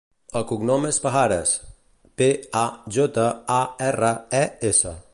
El cognom és Pajares: pe, a, jota, a, erra, e, essa.